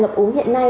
ngập uống hiện nay